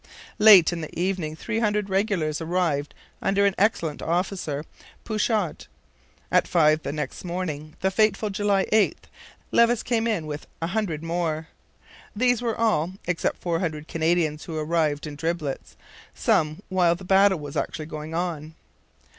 Late in the evening 300 regulars arrived under an excellent officer, Pouchot. At five the next morning, the fateful July 8, Levis came in with 100 more. These were all, except 400 Canadians who arrived in driblets, some while the battle was actually going on.